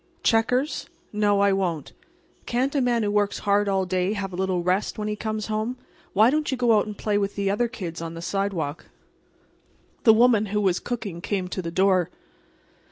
"Checkers. No, I won't. Can't a man who works hard all day have a little rest when he comes home? Why don't you go out and play with the other kids on the sidewalk?" The woman who was cooking came to the door.